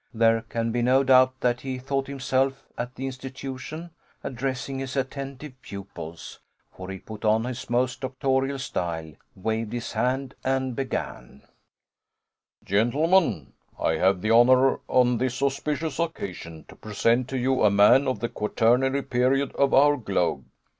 There can be no doubt that he thought himself at the Institution addressing his attentive pupils, for he put on his most doctorial style, waved his hand, and began: "Gentlemen, I have the honor on this auspicious occasion to present to you a man of the Quaternary period of our globe.